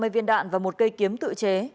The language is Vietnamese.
hai mươi viên đạn và một cây kiếm tự chế